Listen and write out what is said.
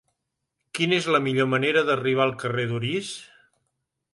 Quina és la millor manera d'arribar al carrer d'Orís?